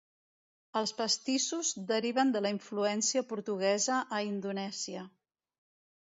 Els pastissos deriven de la influència portuguesa a Indonèsia.